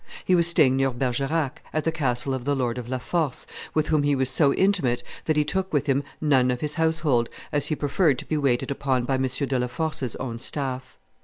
He was staying near Bergerac, at the castle of the Lord of La Force, with whom he was so intimate that he took with him none of his household, as he preferred to be waited upon by M. de la Force's own staff.